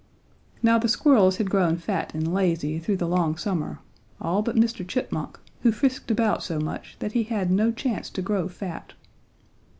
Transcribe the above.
Now the squirrels had grown fat and lazy through the long summer, all but Mr. Chipmunk, who frisked about so much that he had no chance to grow fat.